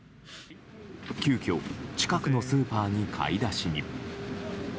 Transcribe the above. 急きょ、近くのスーパーに買い出しに。